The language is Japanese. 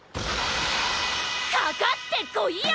かかってこいや！